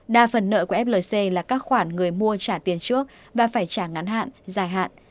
đa phần nợ của flc là các khoản người mua trả tiền trước và phải trả ngắn hạn dài hạn